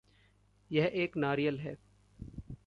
यह एक नारियल है।